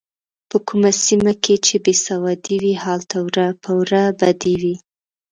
په کومه سیمه کې چې بې سوادي وي هلته وره په وره بدي وي.